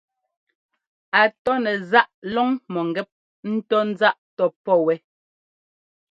A tɔ́ nɛ záꞌ lɔ́ŋ-mɔ̂ŋgɛ́p ńtɔ́ ńzáꞌ tɔ́pɔ́ wɛ.